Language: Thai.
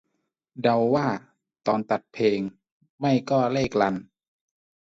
เดาว่า ตอนตัดเพลง ไม่ก็เลขรัน